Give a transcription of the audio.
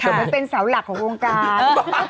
มันเป็นเสาหลักของวงการ